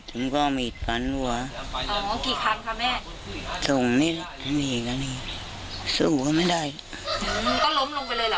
คืออยากให้เขาพาลูกชายไปไหน